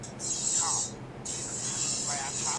آیا ميرمن کولای سي خپله شپه بلې ته وبخښي؟